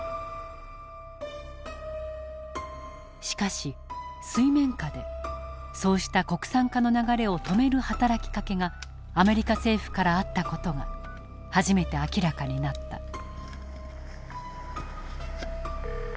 しかし水面下でそうした国産化の流れを止める働きかけがアメリカ政府からあった事が初めて明らかになった。